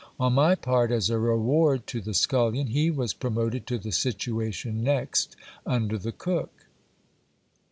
On my part, as a reward to the scullion, he was pro moted to the situation next under the cook.